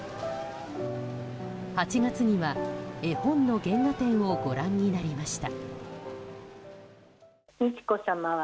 ８月には、絵本の原画展をご覧になりました。